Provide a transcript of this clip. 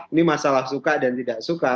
ini masalah suka dan tidak suka